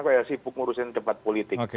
kayak sibuk ngurusin debat politik